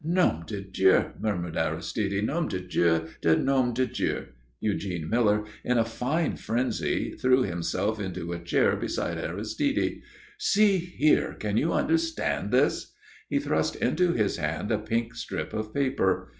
"Nom de Dieu," murmured Aristide. "Nom de Dieu de nom de Dieu!" Eugene Miller, in a fine frenzy, threw himself into a chair beside Aristide. "See here. Can you understand this?" He thrust into his hand a pink strip of paper.